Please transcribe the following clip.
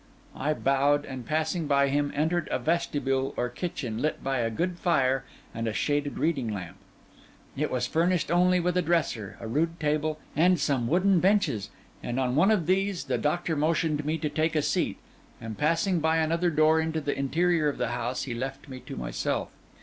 I bowed, and passing by him, entered a vestibule or kitchen, lit by a good fire and a shaded reading lamp. It was furnished only with a dresser, a rude table, and some wooden benches; and on one of these the doctor motioned me to take a seat; and passing by another door into the interior of the house, he left me to myself.